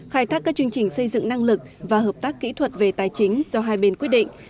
khai thác các chương trình xây dựng năng lực và hợp tác kỹ thuật về tài chính do hai bên quyết định